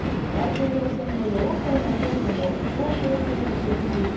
大統領選の与野党の候補も徴兵制に言及。